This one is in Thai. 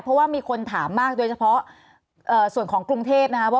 เพราะว่ามีคนถามมากโดยเฉพาะส่วนของกรุงเทพนะคะว่า